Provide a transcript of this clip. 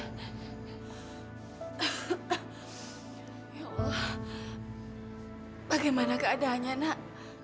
ya allah bagaimana keadaannya nak